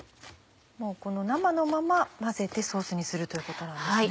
生のまま混ぜてソースにするということなんですね。